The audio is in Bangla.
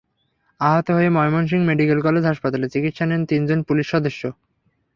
আহত হয়ে ময়মনসিংহ মেডিকেল কলেজ হাসপাতালে চিকিৎসা নেন তিনজন পুলিশ সদস্য।